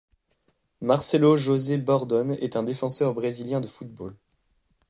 Marcelo José Bordon est un défenseur brésilien de football.